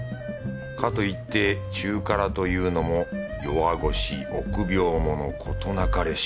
かといって中辛というのも弱腰臆病者事なかれ主義だ。